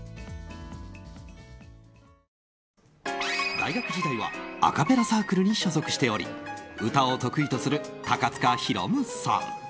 大学時代はアカペラサークルに所属しており歌を得意とする高塚大夢さん。